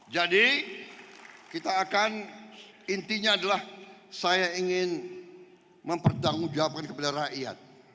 jadi kita akan intinya adalah saya ingin mempertanggungjawabkan kepada rakyat